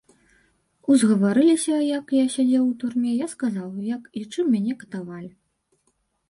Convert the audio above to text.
Узгаварыліся, як я сядзеў у турме, я сказаў, як і чым мяне катавалі.